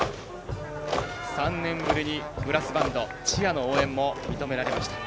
３年ぶりにブラスバンドチアの応援も認められました。